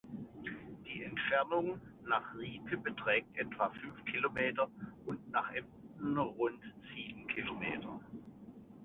Die Entfernung nach Riepe beträgt etwa fünf Kilometer und nach Emden rund sieben Kilometer.